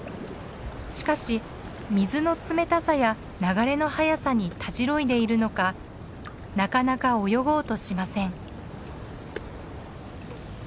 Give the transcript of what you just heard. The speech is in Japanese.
しかし水の冷たさや流れの速さにたじろいでいるのかなかなか泳ごうとしません。